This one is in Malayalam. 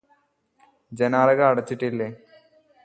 ജനാലകൾ അടച്ചിട്ടില്ലേ